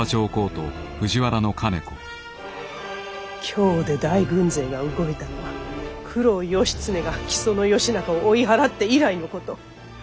京で大軍勢が動いたのは九郎義経が木曽義仲を追い払って以来のこと。